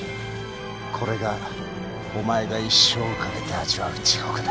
これがお前が一生かけて味わう地獄だ。